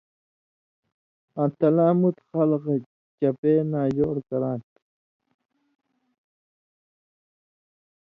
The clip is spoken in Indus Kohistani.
آں تلاں مُت خلکہ چپے ناجوڑ کراں تھی۔